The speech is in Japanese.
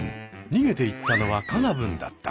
にげていったのはカナブンだった。